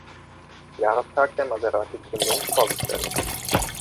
Jahrestag der Maserati-Gründung, vorgestellt.